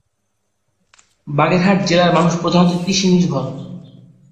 বাগেরহাট জেলার মানুষ প্রধানত কৃষি নির্ভর।